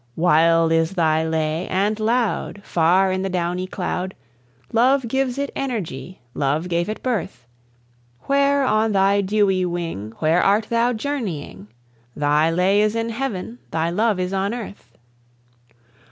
Wild is thy lay and loud, Far in the downy cloud, Love gives it energy, love gave it birth. Where, on thy dewy wing, Where art thou journeying? Thy lay is in heaven, thy love is on earth.